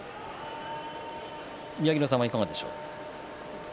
宮城野さんはいかがですか？